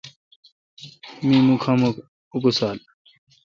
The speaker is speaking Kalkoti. تی می مکھ اکسال۔